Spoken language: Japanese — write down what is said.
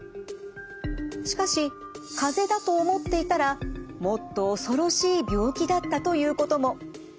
しかしかぜだと思っていたらもっと恐ろしい病気だったということも。